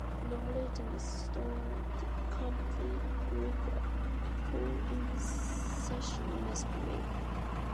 In order to restore the complete group a full incision must be made.